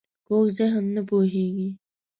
کوږ ذهن نه پوهېږي